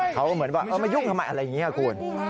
เขาเหมือนว่าเอามายุ่งทำไมอะไรอย่างนี้ครับคุณ